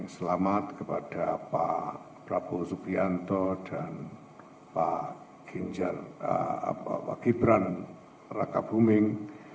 selamat kepada pak prabowo subianto dan pak gibran raka buming